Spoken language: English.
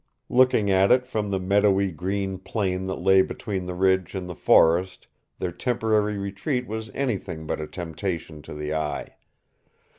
Looking at it from the meadowy green plain that lay between the Ridge and the forest their temporary retreat was anything but a temptation to the eye.